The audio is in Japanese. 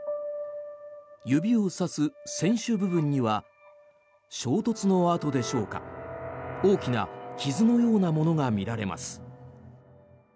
指をさす船首部分には衝突の跡でしょうか大きな傷のようなものが見られます。